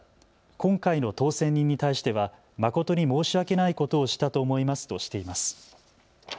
今回の当選人に対しては誠に申し訳ないことをしたと思いますとしています。